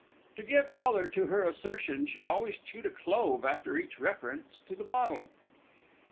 To give colour to her assertion, she always chewed a clove after each reference to the bottle.